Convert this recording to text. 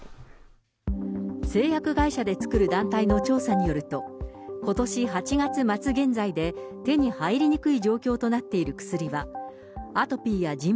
製薬会社で作る団体の調査によると、ことし８月末現在で、手に入りにくい状況となっている薬はアトピーやじん